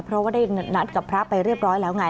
เพราะว่าได้นัดกับพระไปเรียบร้อยแล้วไง